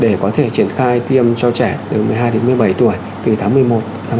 để có thể triển khai tiêm cho trẻ từ một mươi hai một mươi bảy tuổi từ tháng một mươi một hai nghìn hai mươi một